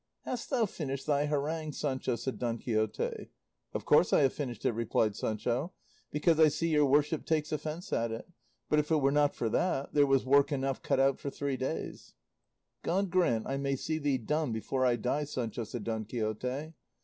"Hast thou finished thy harangue, Sancho?" said Don Quixote. "Of course I have finished it," replied Sancho, "because I see your worship takes offence at it; but if it was not for that, there was work enough cut out for three days." "God grant I may see thee dumb before I die, Sancho," said Don Quixote.